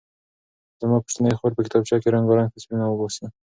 زما کوچنۍ خور په کتابچه کې رنګارنګ تصویرونه وباسي.